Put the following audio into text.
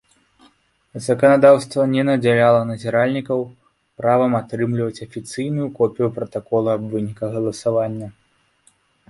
Заканадаўства не надзяляла назіральнікаў правам атрымліваць афіцыйную копію пратакола аб выніках галасавання.